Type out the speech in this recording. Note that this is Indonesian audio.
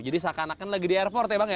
jadi seakan akan lagi di airport ya bang